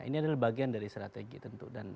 ini adalah bagian dari strategi tentu